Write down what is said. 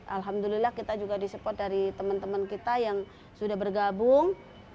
alhamdulillah kita juga di support dari teman teman kita yang sudah bergabung